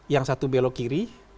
yang satu belok kiri